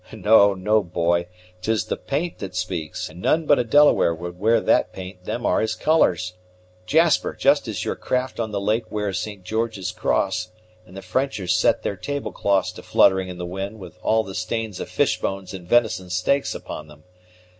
No, no, boy; 'tis the paint that speaks, and none but a Delaware would wear that paint: them are his colors, Jasper, just as your craft on the lake wears St. George's Cross, and the Frenchers set their tablecloths to fluttering in the wind, with all the stains of fish bones and venison steaks upon them.